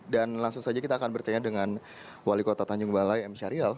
dan langsung saja kita akan bertanya dengan wali kota tanjung balai m syariel